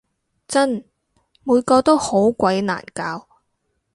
真！每個都好鬼難搞